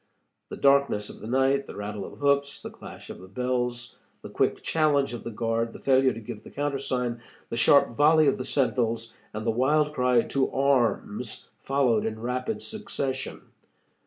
The darkness of the night, the rattle of hoofs, the clash of the bells, the quick challenge of the guard, the failure to give the countersign, the sharp volley of the sentinels, and the wild cry, "to arms," followed in rapid succession.